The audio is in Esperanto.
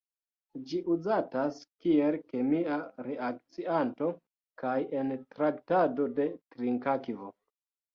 Ĝi uzatas kiel kemia reakcianto kaj en traktado de trinkakvo.